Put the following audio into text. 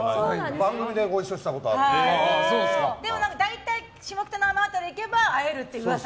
番組でご一緒したことはでも大体下北沢のあの辺りに行けば会えるっていう噂は。